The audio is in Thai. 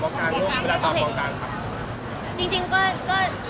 เมื่อตอนกองการค่ะ